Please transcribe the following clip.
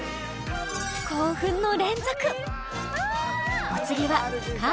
興奮の連続！